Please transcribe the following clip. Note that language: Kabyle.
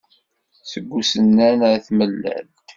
Seg usennan ar tmellalt.